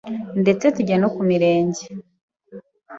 detse tujya no ku mirenge,